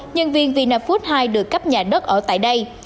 nhân viên vina food hai được cấp nhà đất ở tại đây